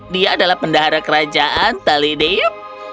dia adalah pendahara kerajaan talideb